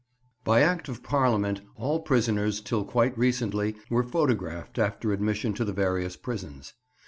BY Act of Parliament, all prisoners, till quite recently, were photographed after admission to the various prisons.